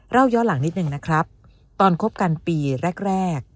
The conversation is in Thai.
เล่าย้อนหลังนิดหนึ่งนะครับตอนคบกันปีแรกแรก